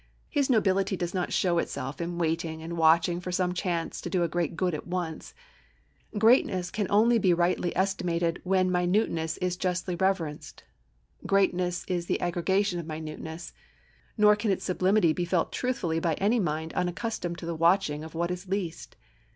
His nobility does not show itself in waiting and watching for some chance to do a great good at once. Greatness can only be rightly estimated when minuteness is justly reverenced. Greatness is the aggregation of minuteness; nor can its sublimity be felt truthfully by any mind unaccustomed to the watching of what is least.